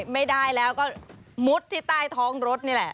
ไม่ได้แล้วก็มุดที่ใต้ท้องรถนี่แหละ